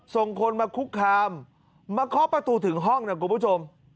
ส่งคนมาคุกคามมาเคาะประตูถึงห้องนะคุณผู้ชม